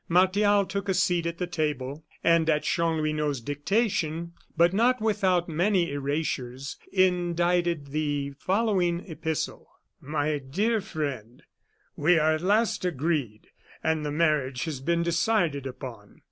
Martial took a seat at the table, and, at Chanlouineau's dictation, but not without many erasures, indited the following epistle: "My dear friend We are at last agreed, and the marriage has been decided upon.